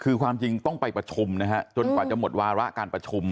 คือความจริงต้องไปประชุมนะฮะจนกว่าจะหมดวาระการประชุม